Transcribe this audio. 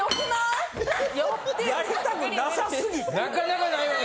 なかなかないよね。